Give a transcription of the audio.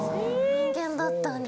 人間だったんだ。